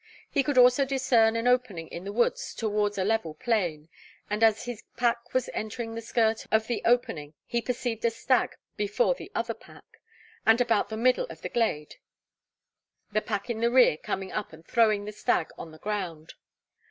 He could also discern an opening in the woods towards a level plain; and as his pack was entering the skirt of the opening he perceived a stag before the other pack, and about the middle of the glade the pack in the rear coming up and throwing the stag on the ground.